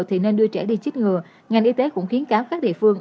thì nên đưa trẻ đi chích ngừa ngành y tế cũng khuyến cáo các địa phương